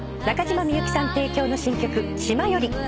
中島みゆきさん提供の新曲『島より』